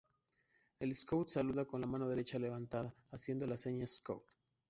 El scout saluda con la mano derecha levantada, haciendo la seña scout.